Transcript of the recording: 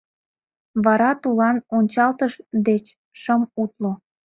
Вара тулан ончалтыш деч шым утло.